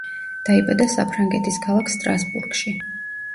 დაიბადა საფრანგეთის ქალაქ სტრასბურგში.